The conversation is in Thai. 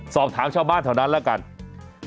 ศอบถามชาวบ้านเฉลียดาแบบนั้นแล้วกัน